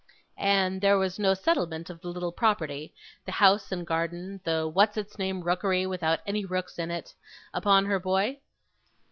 'And there was no settlement of the little property the house and garden the what's its name Rookery without any rooks in it upon her boy?